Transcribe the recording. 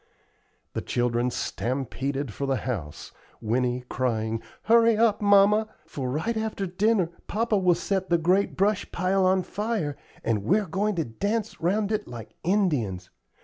The children stampeded for the house, Winnie crying: "Hurry up, mamma, for right after dinner papa will set the great brush pile on fire, and we're going to dance round it like Indians.